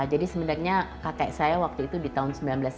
jadi sebenarnya kakek saya waktu itu di tahun seribu sembilan ratus sembilan belas